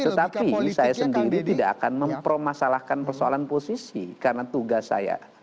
tetapi saya sendiri tidak akan mempermasalahkan persoalan posisi karena tugas saya